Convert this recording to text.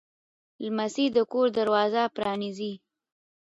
لمسی د کور دروازه پرانیزي.